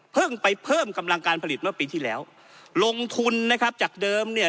ไปเพิ่มกำลังการผลิตเมื่อปีที่แล้วลงทุนนะครับจากเดิมเนี่ย